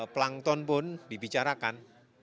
plankton pun dibicarakan